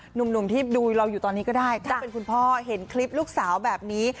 หนุ่มที่ดูเราอยู่ตอนนี้ก็ได้ถ้าเป็นคุณพ่อเห็นคลิปลูกสาวแบบนี้